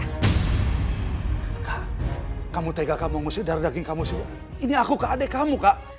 kak kamu tega kamu ngusir dardaging kamu sendiri ini aku kak adek kamu kak